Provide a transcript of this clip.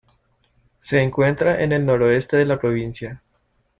Se encuentra en el noroeste de la provincia.